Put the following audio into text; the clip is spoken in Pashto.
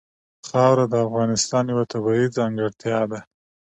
خاوره د افغانستان یوه طبیعي ځانګړتیا ده.